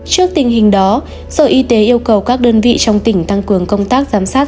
trước tình hình đó sở y tế yêu cầu các đơn vị trong tỉnh tăng cường công tác giám sát